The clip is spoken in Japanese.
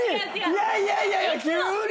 いやいやいやいや急に。